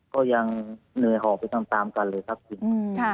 ก็ยังเหนื่อยหอบไปตามกันเลยครับจริง